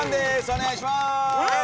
お願いします。